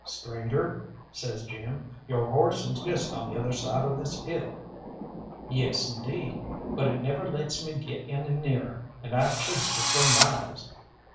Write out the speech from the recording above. "Stranger," says Jim, "your horse is just on the other side of this hill." "Yes, indeed but it never lets me get any nearer, and I've chased it for miles!"